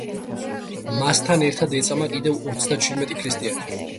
მასთან ერთად ეწამა კიდევ ოცდაჩვიდმეტი ქრისტიანი.